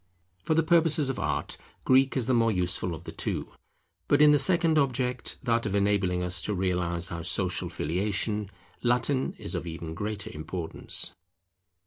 For the purposes of Art, Greek is the more useful of the two; but in the second object, that of enabling us to realize our social Filiation, Latin is of even greater importance.